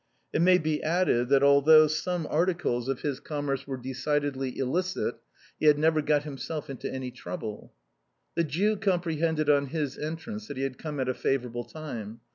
It may be added, that although some articles of his commerce were decidedly illicit, he had never got himself into any trouble. The Jew comprehended, on his entrance, that he had come at a favorable time.